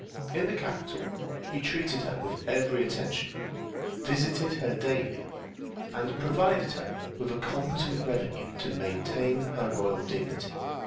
In the capital he treated her with every attention, visited her daily, and provided her with a competent revenue to maintain her royal dignity.